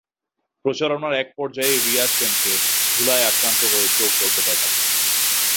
প্রচারণার একপর্যায়ে রিয়া সেনকে ধুলায় আক্রান্ত হয়ে চোখ ডলতে দেখা যায়।